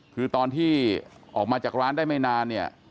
คือตอนที่ออกมาจากร้านได้ไม่นานเนี่ย